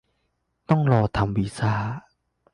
ต้องรอทำวีซ่า